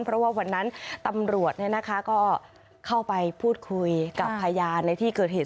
เพราะว่าวันนั้นตำรวจก็เข้าไปพูดคุยกับพยานในที่เกิดเหตุ